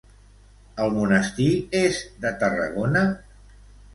El monestir és de Tarragona?